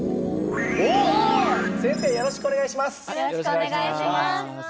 よろしくお願いします！